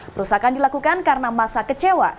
perusakan dilakukan karena masa kecewa